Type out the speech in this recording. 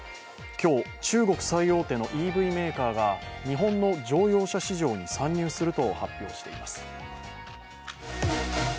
今日、中国最大手のＥＶメーカーが日本の乗用車市場に参入すると発表しています。